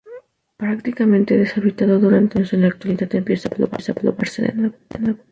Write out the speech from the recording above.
Prácticamente deshabitado durante muchos años, en la actualidad empieza a poblarse de nuevo.